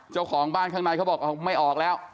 เจ้าของบ้านข้างในเขาบอกไม่ออกแล้ว